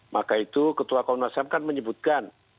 maka itu ketua komnas ham kan menyebutkan